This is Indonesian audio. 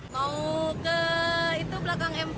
mau ke itu belakang mk